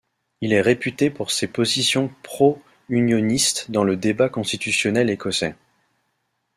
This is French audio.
Il est réputé pour ses positions pro-unionistes dans le débat constitutionnel écossais.